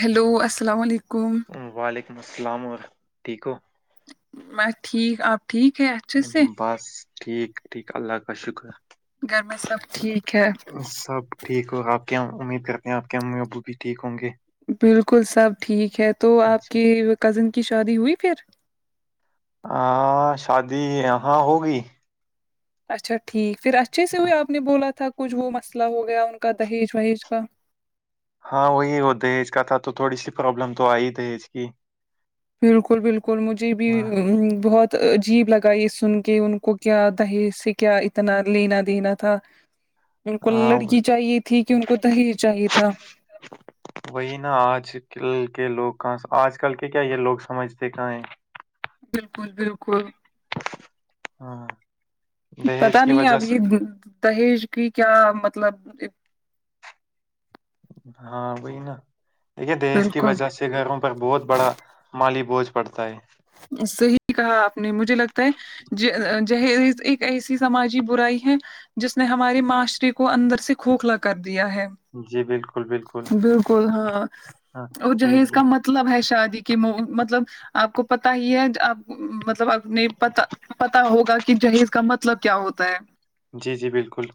hello السلام علیکم وعلیکم السلام ورحمت ٹھیک ہو بس ٹھیک آپ ٹھیک ہے اچھے سے بس ٹھیک ٹھیک اللہ کا شکر گھر میں سب ٹھیک ہے سب ٹھیک ہو آپ کے امید کرتے ہیں آپ کے امی ابو بھی ٹھیک ہوں گے بالکل سب ٹھیک ہے تو آپ اچھا کے کزن کی شادی ہوئی پھر آ ہاں شادی ہاں ہوگںی اچھا ٹھیک پھر اچھے سے ہو آپ نے بولا تھا کچھ وہ مسئلہ ہو گیا ان کا دہیج وہیج کا ہاں وہی وہ دہج کا تھا تو تھوڑی سی پروبلم تو آئی دہج کی بالکل بالکل مجھے بھی ہاں بہت عجیب لگا یہ سن کے ان کو کیا دہیز سے کیا اتنا لینا دینا تھا ان کو ہاں وہ- لڑکی چاہیے تھی کہ ان کو دہیج چاہیے تھا وہی نا آج کل کے لوگ کہاں آج کل کے کیا یہ لوگ سمجھتے کہاں ہیں بالکل بالکل ہاں پتا دہیج کی نہیں وجہ اب یہ سے دہیج کی کیا مطلب ہاں وہی نا دیکھے دھیج کی بالکل وجہ سے گھروں پر بہت بڑا مالی بوجھ پڑتا ہے صحیح کہا آپ نے مجھے لگتا ہے ج جہیز ایک ایسی سماجی برائی ہے جس نے ہماری معاشرے کو اندر سے کھوکھلا کر دیا ہے جی بالکل بالکل ہاں ہاں اور ہم، جہیز کا مت مطلب ہے شادی کی مو مطلب آپ کو پتا ہی ہے آپ مطلب اپنے پتا پتا ہوگا کہ جہیز کا مطلب کیا ہوتا ہے جی جی بالکل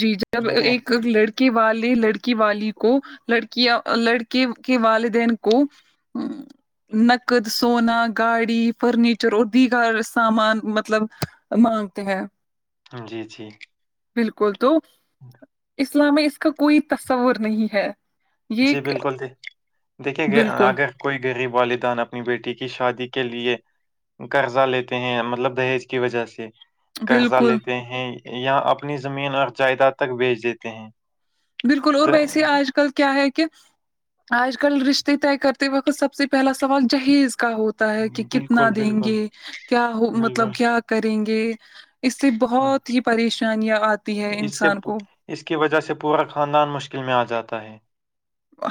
جی جب دیکھیے ایک لڑ کے والے لڑکی والی کو لڑکی لڑکے کے والدین کو ہ نک [unintelligible] سونا گاڑی فرنیچر اور دیگر سامان مطلب مانگتے ہیں جی جی بالکل تو اسلام میں اس کا کوئی تصور نہیں ہے یہ جی ایک- بالکل جی دیکھیے گ بالکل آگر کوئی غریب والدان اپنی بیٹی کی شادی کے لیے قرضہ لیتے ہیں مطلب دہیج کی وجہ سے قرضہ بالکل لیتے ہیں یا اپنی زمین اور جائیداد تک بیچ دیتے ہیں بالکل اور تو ویسے آج کل کیا ہے کہ آج کل رشتے طے کرتے وقت سب سے پہلا سوال جہیز کا ہو ہوتا ہے کہ کتنا بالکل دیں بالکل گے کیا ہو بالکل مطلب کیا کریں گے اس سے ہاں بہت ہی پریشانیاں آتی ہے اس سے انسان پو- کو اس کی وجہ سے پورا خاندان مشکل میں آ جاتا ہے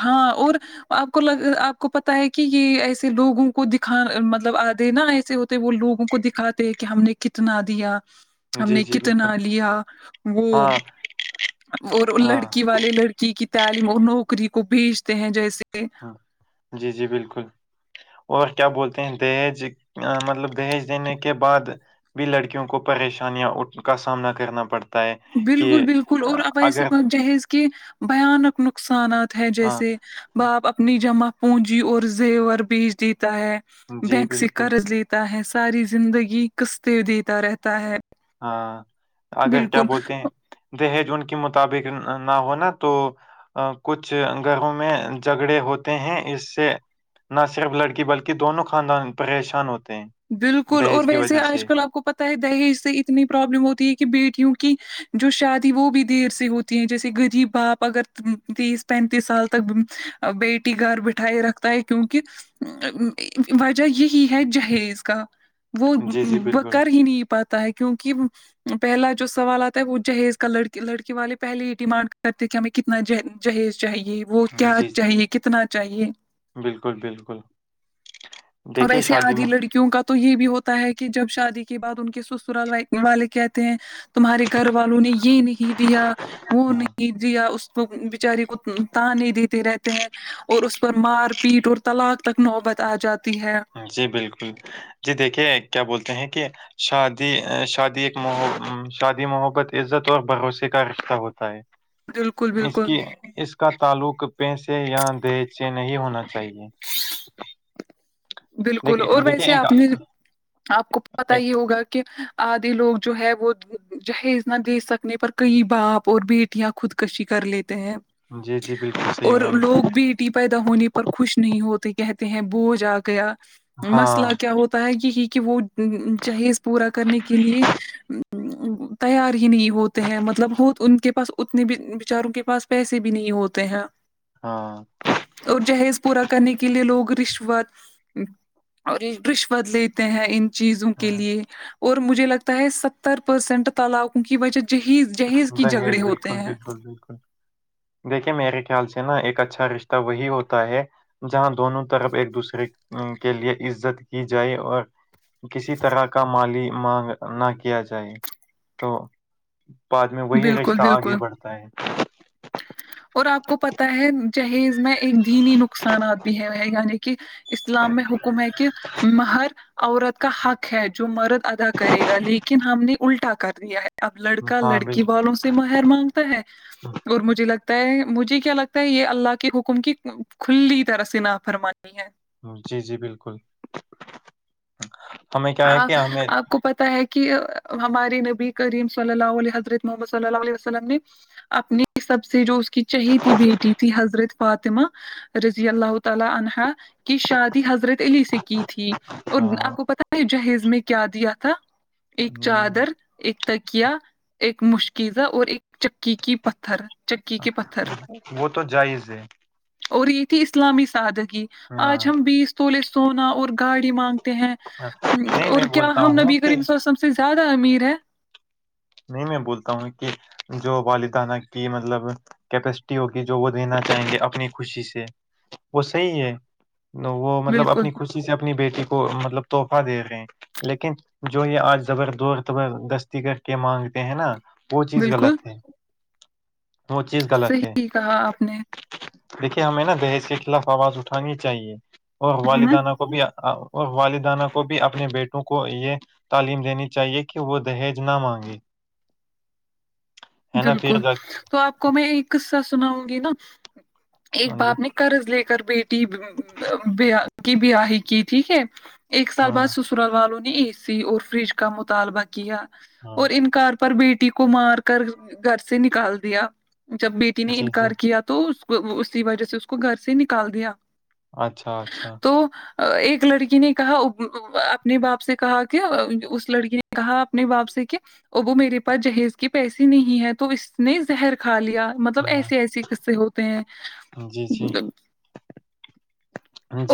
ہاں اور آپ کو ل آپ کو پتا ہے کہ یہ ایسے لوگوں کو دکھا مطلب آدے نا ایسے ہوتے وہ لوگوں کو دکھاتے کہ ہم نے کتنا دیا ہم جی نے جی بالکل کتنا لیا وہ ہاں اور ہاں لڑکی والے لڑکی کی تعلیم اور نوکری کو بھیجتے ہیں جیسے جی جی بالکل اور کیا بولتے ہیں دہیج مطلب دہیج دینے کے بعد بھی لڑکیوں کو پریشانیاں کا سامنا کرنا پڑتا ہے کہ بالکل بالکل اور آ، اب ایسے اگر بات جہیز کے بھیانک نقصانات ہے ہاں جیسے باپ اپنی جمع پونجی اور زیور بیج دیتا ہے جی بینک سے بالکل قرض لے تا ہے ساری زندگی کستے دیتا رہتا ہے ہاں اگر کیا بالکل بولتے ہیں دہیج ان کے مطابق نہ ہونا تو کچھ گھروں میں جگڑے ہوتے ہیں اس سے نہ صرف لڑکی بلکہ دونوں خاندان پریشان ہوتے ہیں بالکل اور دہیج کی ویسے وجہ آج سے کل آپ کو پتا ہے دہیج سے اتنی پرابلم ہوتی ہے کہ بیٹیوں کی جو شادی وہ بھی دیر سے ہوتی ہے جیسے غریب باپ اگر تیس پینتیس سال تک بیٹی گھر بٹھائے رکھتا ہے کیونکہ وجہ یہی ہے جہیز کا وہ جی جی وہ بالکل کر ہی نہیں پاتا ہے کیونکہ وہ پہلا جو سوال آتا ہے وہ جہیز کا لڑکے لڑکے والے پہلے ہی ڈیمانڈ کرتے کی ہمیں کتنا جہیز چاہیے وہ کیا جی جی چاہیے کتنا چاہیے بالکل بالکل دیکھے شادی میں [unintelligible] کیوںک تو یہ بھی ہوتا ہے کہ جب شادی کے بعد ان کے سسرال والے کہتے ہیں تمہارے گھر والوں نے یہ نہیں دیا وہ میں نہیں دیا اس بچاری کو تانے دیتے رہتے ہیں اور اس پر مار پیٹ اور طلاق تک نوبت آجاتی ہے جی بالکل جی دیکھیے کیا بولتے ہیں کہ شادی شادی ایک محت شادی محبت عزت اور بھروسے کا رشتہ ہوتا ہے بالکل اس بالکل کی اس کا تعلق پیسے یا دہج سے نہیں ہونا چاہیے بالکل دیکھیے اور دیکھیے ویسے ایک آپ نے آپ کو پتا ہی ایک- ہوگا کہ آدھی لوگ جو ہے وہ جہیز نہ دے سکنے پر کئی باپ اور بیٹیاں خودکشی کر لیتے ہیں جی جی بالکل صحیح اور میم لوگ بیٹی پیدا ہونے پر خوش نہیں ہوتے کہتے ہیں بوجھ آ گیا ہاں مسئلہ کیا ہوتا ہے یہی کہ وہ جہیز پورا کرنے کے لیے تیار ہی نہیں ہوتے ہیں مطلب ہو ان کے پاس اتنے بھی بچاروں کے پاس پیسے بھی نہیں ہوتے ہیں ہاں اور جہیز پورا کرنے کے لیے لوگ رشوت اور رشوت لیتے ہیں ان چیزوں کے ہاں، لیے اور مجھے لگتا ہے ستر پرسینٹ تلاقوں کی وجہ جہیز جہیز کی دہیج جھگڑے ہوتے بالکل ہیں بالکل بالکل دیکھیے میرے خیال سے نا ایک اچھا رشتہ وہی ہوتا ہے جہاں دونوں طرف ایک دوسرے کے لیے عزت کی جائے اور کسی طرح کا مالی مانگ نہ کیا جائے تو بعد میں وہی بالکل رشتہ آگے بالکل بڑھتا ہے اور آپ کو پتا ہے چہیز میں ایک دینی نقصانات بھی ہے یعنی کہ اسلام میں حکم ہے کہ مہر عورت کا حق ہے جو مرد ادا کرے گا لیکن ہم نے الٹا کر دیا ہے اب لڑکا ہاں لڑکی والوں سے مہر مانگتا ہے بالکل اور مجھے لگتا ہے مجھے کیا لگتا ہے یہ اللہ کے حکم کی کھلی طرح سے نافرمانی ہے جی جی بالکل ہمیں کیا ہے آ کہ ہمیں آپ کو پتا ہے کہ ہماری نبی کریم صلی اللہ علیہ حضرت محمد صلی اللہ علیہ وسلم نے اپنی سب سے جو اس کہ چہیتی بیٹی تھی حضرت فاطمہ رضی اللہ تعالی عنہا کی شادی حضرت علی سے کی تھی اور ہاں آپ کو پتا جہیز میں کیا دیا تھا ایک ہم، چادر ایک تکیا ایک مشکیزا اور ایک چکی کی پتھر چکی کے پتھر وہ تو جائز ہے اور یہ تھی اسلامی سادگی ہاں آج ہم بیس سولے سونا اور گاڑی مانگتے ہیں ہاں، نہیں اور میں کیا بولتا ہم ہوں نبی کہ کریم صلی اللہ وسلم سے زیادہ امیر ہے نہیں میں بولتا ہوں کہ جو والدانہ کی مطلب کیپیسٹی ہوگی جو وہ دینا چاہیں گے اپنی خوشی سے وہ صحیح ہے وہ مطلب بالکل اپنی خوشی سے اپنی بیٹی کو مطلب تحفہ دے رہے ہیں لیکن جو یہ آج زبر دور زبردستی کر کہ مانگتے ہیں نا وہ چیز غلط بالکل ہے وہ چیز غلط ہے صحیح کہا آپ نے دیکھیے ہمیں نا دہیج کے خلاف آواز اٹھانی چاہیے اور ہوں والدانہ کو بھی اور والدانہ کو بھی اپنے بیٹوں کو یہ تعلیم دینی چاہیے کہ وہ دہیج نہ مانگیں جی بالکل تو آپ کو میں ایک قصہ سناؤں گی نا ایک ہاں جی باپ نے قرض لے کر بیٹی ببا کی بیاہی کی ٹھیک ہے ایک سال ہاں بعد سس رال والوں نے اے سی اور فریج کا مطالبہ کیا ہاں اور انکار پر بیٹی کو مار کر گھر سے نکال دیا جب بیٹی نے جی جی انکار کیا تو اس کی وجہ سے اس کو گھر سے نکال دیا اچھا اچھا تو ایک لڑکی نے کہا او او اپنے باپ سے کہا کہ اس لڑکی کہا اپنے باپ سے کہ ابو میرے پاس جہیز کی پیسہ نہیں ہے تو اس نے زہر کھا لیا مطلب ہاں ایسے ایسے قصے ہوتے ہیں جی جی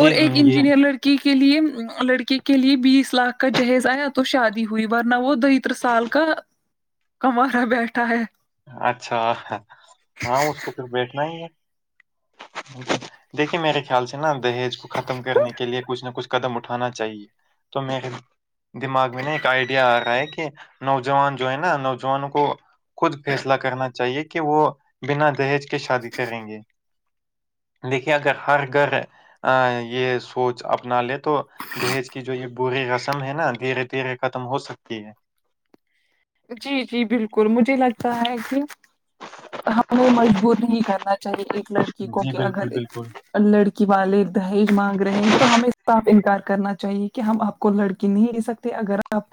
اور ایک انجینئر لڑ کی کے لیے لڑکی کے لیے بیس لاکھ کا جہیز آیا تو شادی ہوئی ورنہ وہ دہتر سال کا کوارا بیٹھا ہے اچھا ہاں اس کو پھر بیٹھنا ہی ہے دیکھیے میرے خیال سے نا دہیج کو ختم کرنے کے لیے کچھ نہ کچھ قدم اٹھانا چاہیے تو میں دماغ میں نا ایک آئیڈیا آ رہا ہے کہ نوجوان جو ہے نا نوجوانوں کو خود فیصلہ کرنا چاہیے کہ وہ بنا دہیج کے شادی کریں گے دیکھیے اگر ہر گھر آ یہ سوچ اپنا لے تو دہیج کی جو یہ بری رسم ہے نا دھیرے دھیرے ختم ہو سکتی ہے جی جی بالکل مجھے لگتا ہے کہ ہمیں مجبور نہیں کرنا چاہے ایک لڑکی کو جی کیا بالکل گھر ایک بالکل لڑکی والے دہیج مانگ رہے ہیں تو ہمیں صاف انکار کرنا چاہیے کہ ہم آپ کو لڑکی نہیں دے سک اگر آپ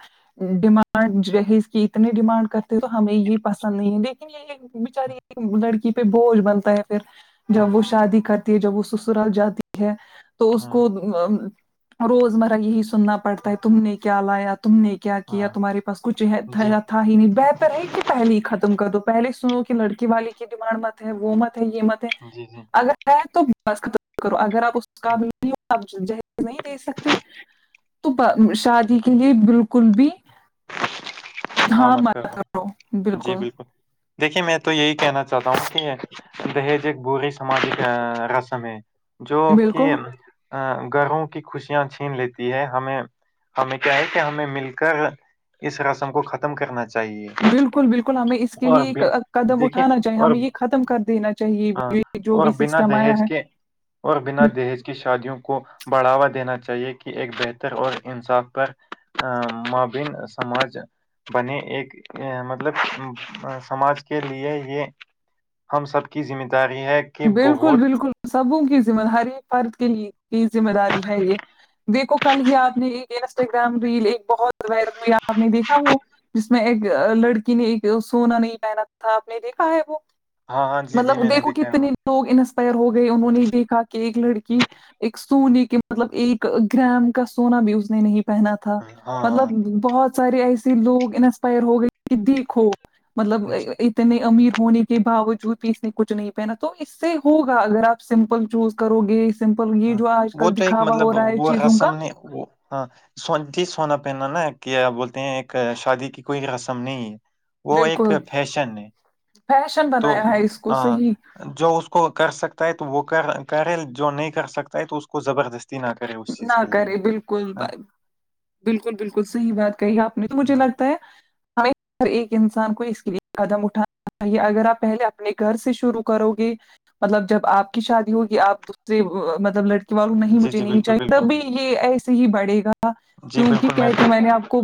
ڈیمانڈ جہیز یہ اتنی ڈیمانڈ کرتے تو ہمیں یہ پسند نہیں ہے لیکن یہ ایک بچاری ایک لڑکی پہ بوجھ بنتا ہے پھر ہاں جب وہ شادی کرتی ہے جب وہ سسرال جاتی ہے تو اس ہاں کو روز مرہ یہی سننا پڑتا ہے تم نے کیا لایا تم نے کیا کیا ہاں تمہارے پس کچھ ہے جی تھا ہی نہیں بہتر ہے کہ پہلے ہی ختم کر دو پہلے سنو کہ لڑکی والی کی ڈیمانڈ مت ہے وہ مت ہے یہ مت ہے جی جی اگر ہے تو بس ختم کرو اگر آپ اس قابل نہیں ہو آپ جہیز نہیں دے سکتے تو با شادی کے لیے بالکل بھی ہاں مت کرو بالکل دیکھیے میں تو یہی کہنا چاہتا ہوں کہ دہیج ایک بری سماجی رسم ہے جو کہ بالکل گھروں کی خوشیاں چھین لیتی ہے ہمیں ہمیں کیا ہے کہ ہمیں مل کر اس رسم کو ختم کرنا چاہیے بالکل بالکل ہمیں اس کے اور لیے قدم دیکھیے اٹھانا چاہیے اور ہمیں یہ ختم کر دینا چاہیے آ، یہ جو بھی اور بنا سسٹم آیا دہیج ہے کے اور بنا دہیج کی شادیوں کو بڑھاوا دینا چاہیے کہ ایک بہتر اور انصاف پر مابین سماج بنے ایک مطلب سماج کے لیے یہ ہم سب کی ذمہ داری ہے کہ بالکل بہت بالکل سب ہوں کی ذمہ داری فرد کے کی ذمہ داری ہے یہ دیکھو کل ہی آپ نے انسٹاگرام ریل ایک بہت وائرل ہوئی آپ نے دیکھا وہ جس میں ایک لڑکی نے ایک سونا نہیں پہنا تھا آپ نے دیکھا ہے وہ ہاں ہاں جی جی مطلب میں نے دیکھو دیکھا ہے وہ کتنے لوگ انسپائر ہو گئے انہوں نے دیکھا کہ ایک لڑکی ایک سونے کے مطلب ایک گرم کا سونا بھی اس نے نہیں پہنا تھا ہاں مطلب ہاں بہت سارے ایسے لوگ انسپائر ہو گئے کہ دیکھو مطلب جی اتنے امیر ہونے کے باوجود بھی اس نے کچھ نہیں پہنا تو اس سے ہوگا اگر آپ سمپل چوز کرو گے سمپل یہ ہاں جو آج وہ کل تو ایک دکھاوا ہو مطلب رہا ہے وہ چیزوں کا رسم نے وہ ہاں سو جی سونا پہننا نا کیا بولتے ہیں ایک شادی کی کوئی رسم نہیں ہے وہ ایک بالکل فیشن ہے فیشن تو بنایا ہے اس کو ہاں صحیح جو اس کو کر سکتا ہے تو وہ کر کرے جو نہیں کر سکتا ہے تو اس کو زبردستی نہ کر نہ کرے بالکل بالکل بالکل صحیح بات کہی آپ نے تو مجھے ہاں لگتا ہے ہمیں ہر ایک انسان کو اس کے لیے قدم اٹھانا چاہیے اگر آپ پہلے اپنے گھر سے شروع کرو گے مطلب جب آپ کی شادی ہوگی آپ اسے مطلب لڑکی والوں نہیں جی مجھے جی نہیں بالکل چاہیے بالکل تبھی یہ ایسے ہی بڑھے گا جی کیونکہ بالکل کھے تھے میں نے آپ کو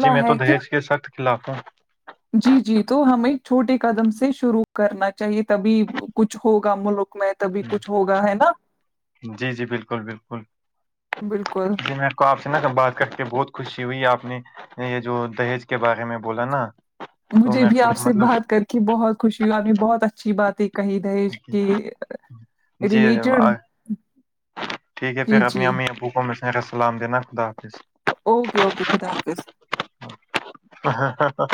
جی میں تو ہے کہ دہج کے سخت خلاف ہوں جی جی تو ہمیں چھوٹے قدم سے شروع کرنا چاہیے تبھی کچھ ہوگا ملک میں تبھی کچھ ہوگا ہے نا جی جی بالکل بالکل بالکل میں کو آپ سے نا بات کر کے بہت خوشی ہوئی آپ نے یہ جو دہیج کے بارے میں بولا نا تو مجھے میں بھی آپ کو سے مطلب بات کر کے بہت خوشی ہوئی آپ نے بہت اچھی باتیں کہی دہیج کے جی ریلیٹڈ آ- ٹھیک ہے پھر جی اپنی جی امی ابو کو میرا السلام دینا خدا حافظ اوکے اوکے خدا حافظ ہاں ہاں ہاں ہاں